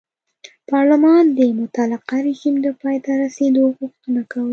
پارلمان د مطلقه رژیم د پای ته رسېدو غوښتنه کوله.